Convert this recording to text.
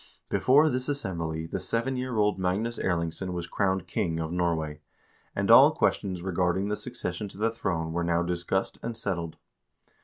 Before this assembly the seven year old Magnus Erlingsson was crowned king of Norway, and all questions regarding the succession to the throne were now discussed and settled.